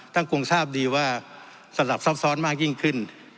ทั้งกองทัพดีว่าสลับซ้อมซ้อนมากยิ่งขึ้น